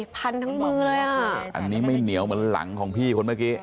พันทั้งมือเลยอ่ะอันนี้ไม่เหนียวเหมือนหลังของพี่คนเมื่อกี้